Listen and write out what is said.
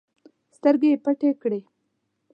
سترګې يې پټې کړې.